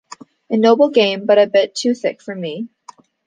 A noble game, but a bit too thick for me.